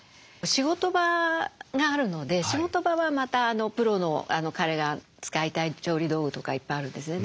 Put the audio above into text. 仕事場があるので仕事場はまたプロの彼が使いたい調理道具とかいっぱいあるんですね。